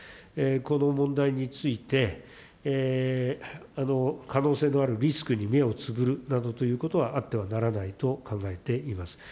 この問題について、可能性のあるリスクに目をつぶるなどということはあってはならないと考えています。